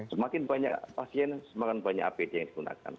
semakin banyak pasien semakin banyak apd yang digunakan